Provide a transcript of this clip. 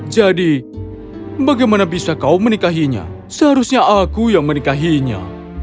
jadi bagaimana bisa kau menikahinya seharusnya aku yang menikahinya